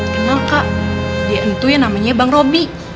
kenal kak dia itu yang namanya bang roby